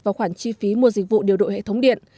vào khoản chi phí mua dịch vụ điều độ hệ thống điện